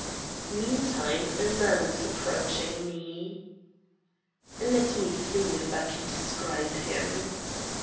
Meantime a man was approaching me. "Let me see if I can describe him.